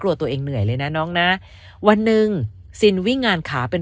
ตัวเองเหนื่อยเลยนะน้องนะวันหนึ่งซินวิ่งงานขาเป็น